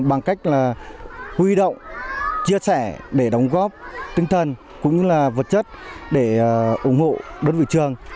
bằng cách là huy động chia sẻ để đóng góp tinh thần cũng như là vật chất để ủng hộ đơn vị trường